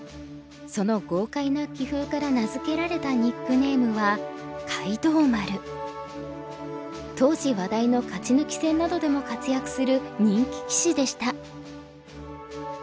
その豪快な棋風から名付けられたニックネームは当時話題の勝ち抜き戦などでも活躍する人気棋士でした。